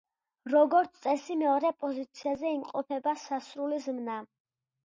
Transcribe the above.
როგორც წესი, მეორე პოზიციაზე იმყოფება სასრული ზმნა.